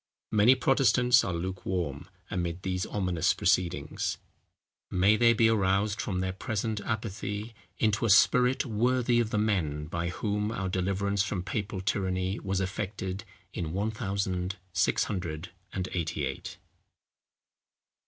Many Protestants are lukewarm amid these ominous proceedings. May they be aroused from their present apathy into a spirit worthy of the men, by whom our deliverance from papal tyranny was effected in ONE THOUSAND SIX HUNDRED AND EIGHTY EIGHT.